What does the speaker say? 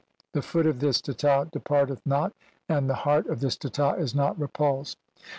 The foot of this Teta departeth not, and "the heart of this Teta is not repulsed."